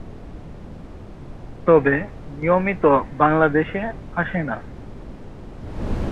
তবে নিয়মিত বাংলাদেশে আসে না।